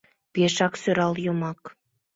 Пешак сӧрал йомак.